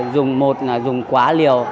dùng một là dùng quá liều